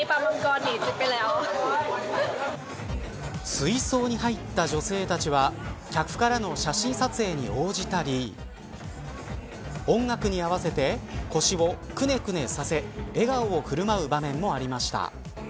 水槽に入った女性たちは客からの写真撮影に応じたり音楽に合わせて腰をくねくねさせ笑顔をふるまう場面もありました。